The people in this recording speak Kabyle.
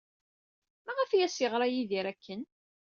Maɣef ay as-yeɣra Yidir akken?